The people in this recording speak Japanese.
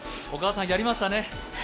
お母さん、やりましたね。